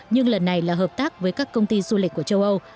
nhưng lần này là hợp tác với các công ty du lịch của châu âu